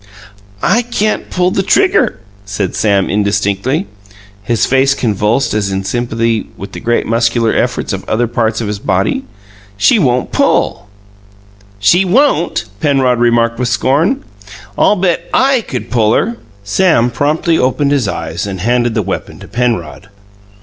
"I can't pull the trigger," said Sam indistinctly, his face convulsed as in sympathy with the great muscular efforts of other parts of his body. "She won't pull!" "She won't?" Penrod remarked with scorn. "I'll bet I could pull her." Sam promptly opened his eyes and handed the weapon to Penrod.